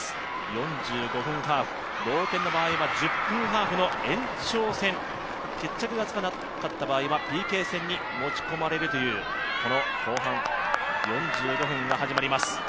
４５分ハーフ、同点の場合は１０分ハーフの延長戦決着がつかなかった場合はＰＫ戦に持ち込まれるというこの後半４５分が始まります。